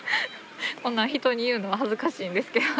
こんなん人に言うのは恥ずかしいんですけど。